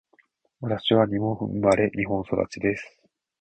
私は日本生まれ、日本育ちです。